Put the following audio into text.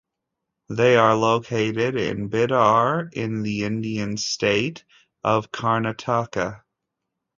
They are located in Bidar in the Indian state of Karnataka.